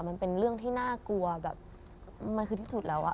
มันเป็นเรื่องที่น่ากลัวแบบมันคือที่สุดแล้วอะ